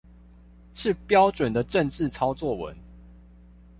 是標準的政治操作文